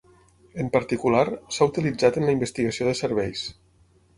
En particular, s'ha utilitzat en la investigació de serveis.